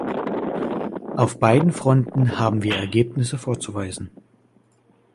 Auf beiden Fronten haben wir Ergebnisse vorzuweisen.